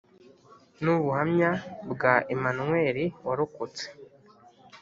n ubuhamya bwa Emmanuel warokotse